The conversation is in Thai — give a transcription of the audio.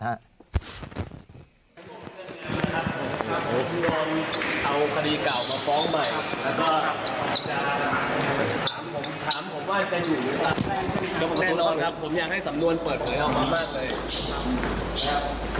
เบอร์ที่จะมาส่งการประสานในการความลูกลาดพอทางหน่อยครับ